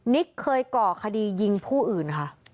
ิ๊กเคยก่อคดียิงผู้อื่นค่ะ